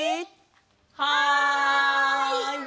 はい！